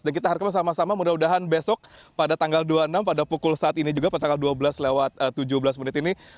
dan kita harapkan sama sama mudah mudahan besok pada tanggal dua puluh enam pada pukul saat ini juga pada tanggal dua belas lewat tujuh belas menit ini